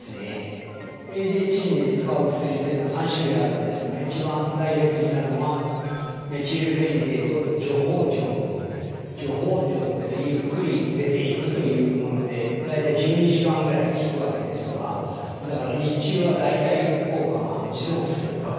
ＡＤＨＤに使う薬っていうのは３種類あるんですが一番代表的なのは徐放錠ってねゆっくり出ていくというもので大体１２時間ぐらい効くわけですがだから日中は大体効果が持続する。